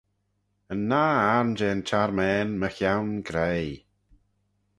Yn nah ayrn jeh'n çharmane mychione graih.